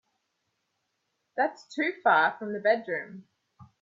That's too far from the bedroom.